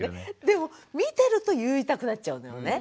でも見てると言いたくなっちゃうのよね。